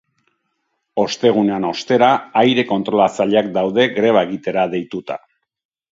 Ostegunean, ostera, aire kontrolatzaileak daude greba egitera deituta.